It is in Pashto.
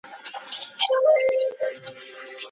بې ځایه لګښت مه کوئ.